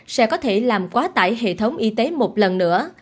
sẽ có thể làm quá tải hệ thống y tế một lần nữa